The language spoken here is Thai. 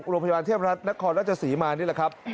โรงพยาบาลเทพรัฐนครราชศรีมานี่แหละครับ